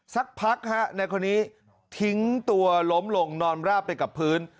สักพักฮะในคนนี้ทิ้งตัวล้มลงนอนราบไปกับพื้น